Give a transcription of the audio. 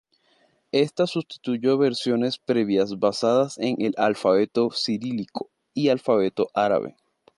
Esta sustituyó versiones previas basadas en el alfabeto cirílico y alfabeto árabe.